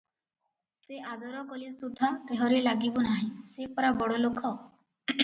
ସେ ଆଦର କଲେ ସୁଦ୍ଧା ଦେହରେ ଲାଗିବୁ ନାହି ସେ ପରା ବଡ଼ ଲୋକ ।